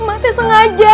emak teh sengaja